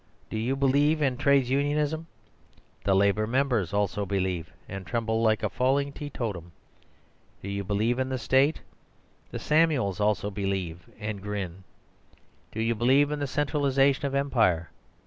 Do you believe in Trades Unionism? The Labour Members also believe; and tremble like a falling teetotum. Do you believe in the State? The Samuels also believe, and grin. Do you believe in the centralisation of Empire?